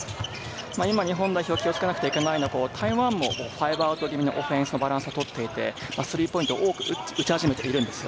日本代表、気をつけなきゃいけないのは台湾もオフェンスのバランスを取っていて、スリーポイントを多く打ち始めているんです。